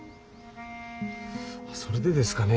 それでですかね